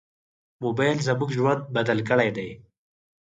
موبایل زموږ ژوند بدل کړی دی.